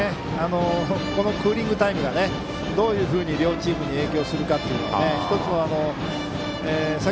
クーリングタイムがどういうふうに両チームに影響するか。